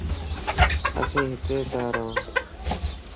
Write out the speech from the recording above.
اسين ھتي تان ران